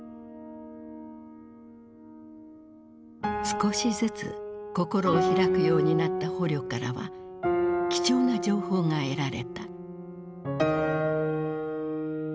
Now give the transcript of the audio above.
少しずつ心を開くようになった捕虜からは貴重な情報が得られた。